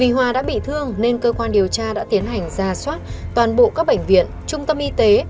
vì hòa đã bị thương nên cơ quan điều tra đã tiến hành ra soát toàn bộ các bệnh viện trung tâm y tế